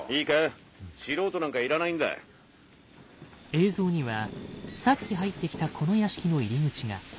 映像にはさっき入ってきたこの屋敷の入り口が。